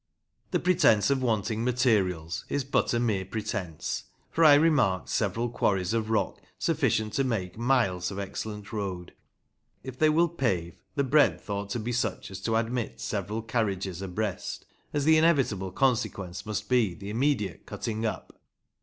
The pre tence of wanting materials is but a mere pretence, for I remarked several quarries of rock sufficient to make miles of excellent road. If they will pave, the bfeadth ought to be such as to admit several carriages abreast, as the inevitable consequence must be the immediate cutting up.